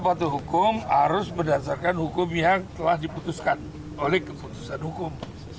suatu hukum harus berdasarkan hukum yang telah diputuskan oleh keputusan hukum